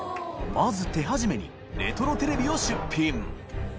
泙手始めにレトロテレビを出品緑川）